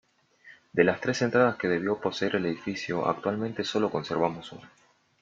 De las tres entradas que debió poseer el edificio, actualmente sólo conservamos una.